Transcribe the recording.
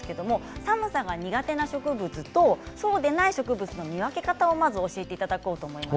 寒さが苦手な植物とそうでない植物の見分け方を教えていただきます。